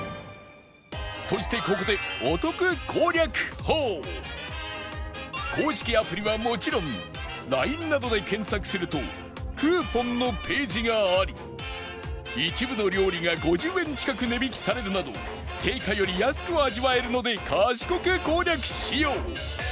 そしてここで公式アプリはもちろん ＬＩＮＥ などで検索するとクーポンのページがあり一部の料理が５０円近く値引きされるなど定価より安く味わえるので賢く攻略しよう